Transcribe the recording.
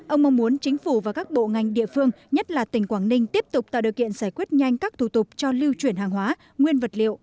ông mong muốn chính phủ và các bộ ngành địa phương nhất là tỉnh quảng ninh tiếp tục tạo điều kiện giải quyết nhanh các thủ tục cho lưu chuyển hàng hóa nguyên vật liệu